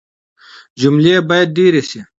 جملې بايد ډېري سي.